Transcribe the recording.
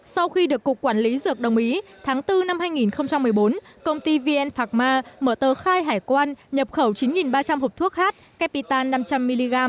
sau khi được cục quản lý dược đồng ý tháng bốn năm hai nghìn một mươi bốn công ty vn phạc ma mở tờ khai hải quan nhập khẩu chín ba trăm linh hộp thuốc h capita năm trăm linh mg